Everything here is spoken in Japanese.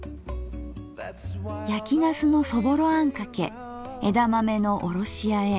やきなすのそぼろあんかけ枝豆のおろしあえ